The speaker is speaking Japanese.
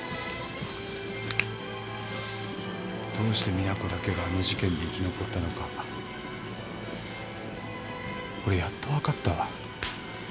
どうして実那子だけがあの事件で生き残ったのか俺やっと分かったわ。